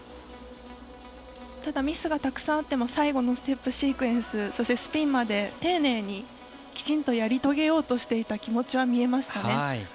ただミスがたくさんあっても最後のステップシークエンスそしてスピンまで丁寧にきちんとやり遂げようとしていた気持ちは見えましたね。